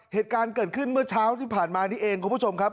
เหตุการณ์เกิดขึ้นเมื่อเช้าที่ผ่านมานี่เองคุณผู้ชมครับ